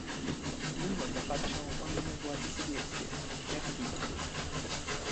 "Mimo to patrzą oni na władzę sowieckie, jak wilki."